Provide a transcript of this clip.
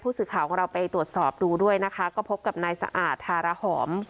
สื่อข่าวของเราไปตรวจสอบดูด้วยนะคะก็พบกับนายสะอาดทาระหอม